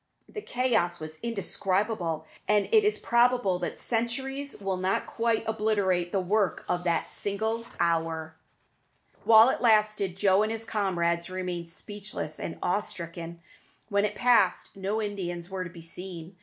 The chaos was indescribable, and it is probable that centuries will not quite obliterate the work of that single hour. While it lasted, Joe and his comrades remained speechless and awe stricken. When it passed, no Indians were to be seen.